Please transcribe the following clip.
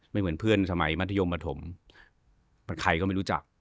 เหมือนเพื่อนสมัยมัธยมปฐมใครก็ไม่รู้จัก